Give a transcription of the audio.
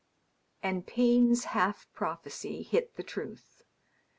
And Payne's half prophecy hit the truth.